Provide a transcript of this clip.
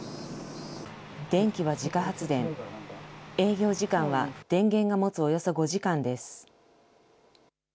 電気は自家発電、営業時間は電源が持つおよそ５時間です。